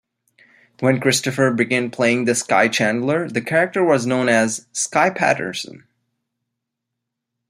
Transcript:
When Christopher began playing Skye Chandler, the character was known as Skye Patterson.